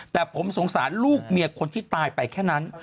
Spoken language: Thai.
แต่ผมสงสารลูกเมียคนที่ตายไปแค่นั้น